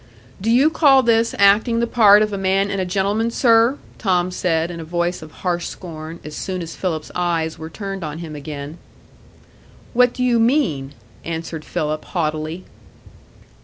"Do you call this acting the part of a man and a gentleman, sir?" Tom said, in a voice of harsh scorn, as soon as Philip's eyes were turned on him again. "What do you mean?" answered Philip, haughtily.